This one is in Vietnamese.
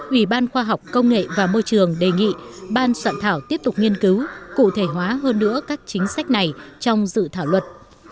ủy ban khoa học công nghệ và môi trường đề nghị ban soạn thảo tiếp tục nghiên cứu cụ thể hóa hơn nữa các chính sách này trong dự thảo luật